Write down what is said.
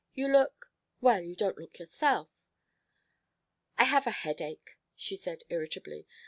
You look well, you don't look yourself!" "I have a headache," she said irritably.